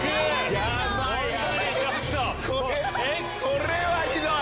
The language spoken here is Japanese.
これはひどい！